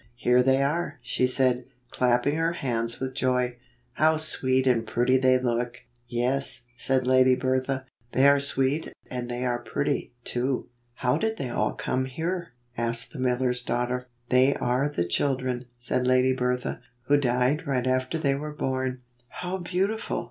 "Here they are," she said, clapping her hands with joy. " How sweet and pretty they look !'' "Yes," said Lady Bertha, "they are sweet, and they are pretty, too." "How did they all come here?" asked the miller's daughter. "They are the children," said Lady Bertha, "who died right after they were born." "How beautiful!"